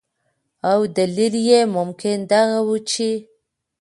او دلیل یې ممکن دغه ؤ چې